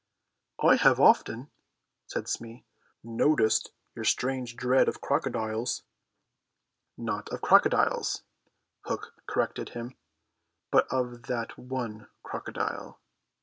"I have often," said Smee, "noticed your strange dread of crocodiles." "Not of crocodiles," Hook corrected him, "but of that one crocodile."